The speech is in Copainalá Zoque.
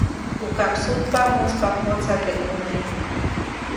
ʼUka msutpa, muspa mjotsa teʼ ʼune.